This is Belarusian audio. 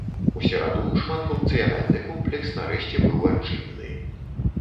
У сераду шматфункцыянальны комплекс нарэшце быў адчынены.